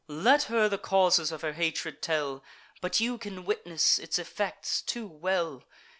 Let her the causes of her hatred tell; But you can witness its effects too well.